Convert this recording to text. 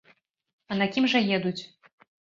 А на кім жа едуць?